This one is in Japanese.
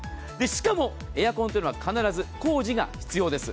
しかもエアコンは必ず工事が必要です。